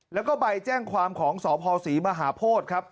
แล้วก็ใบแจ้งความของสภศรีมหาโพธิครับ